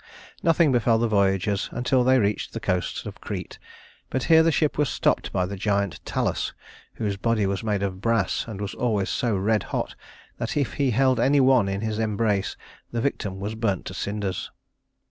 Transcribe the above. Nothing befell the voyagers until they reached the coast of Crete, but here the ship was stopped by the giant Talus, whose body was made of brass and was always so red hot that if he held any one in his embrace, the victim was burnt to cinders.